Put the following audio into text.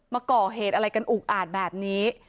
มาก่อเหตุอะไรกันอุกอาจแบบนี้